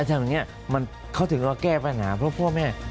อันทางนี้เค้าถึงว่าแก้ปัญหาเพราะพ่อแม่